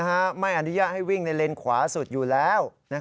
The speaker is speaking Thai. ไม่อนุญาตให้วิ่งในเลนขวาสุดอยู่แล้ว